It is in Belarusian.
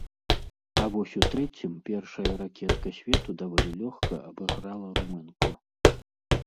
А вось у трэцім першая ракетка свету даволі лёгка абыграла румынку.